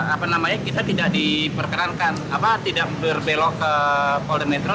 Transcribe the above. apa namanya kita tidak diperkenankan tidak berbelok ke polda metro